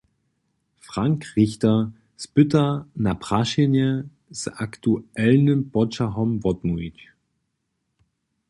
Frank Richter spyta na prašenje z aktualnym poćahom wotmołwić.